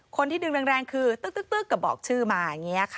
คนที่ดึงแรงคือตึ๊กก็บอกชื่อมา